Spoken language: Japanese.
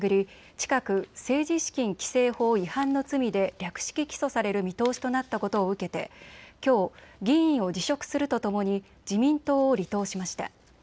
近く政治資金規正法違反の罪で略式起訴される見通しとなったことを受けてきょう議員を辞職するとともに自民党を離党しました。